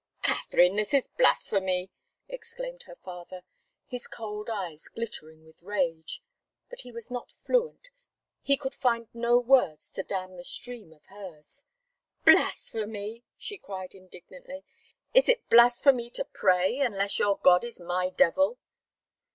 "Katharine, this is blasphemy!" exclaimed her father, his cold eyes glittering with rage but he was not fluent, he could find no words to dam the stream of hers. "Blasphemy!" she cried, indignantly. "Is it blasphemy to pray unless your God is my Devil?"